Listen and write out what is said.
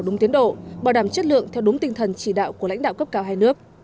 đúng tiến độ bảo đảm chất lượng theo đúng tinh thần chỉ đạo của lãnh đạo cấp cao hai nước